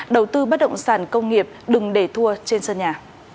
đầu tư bất động sản công nghiệp đừng để thua trên sân nhà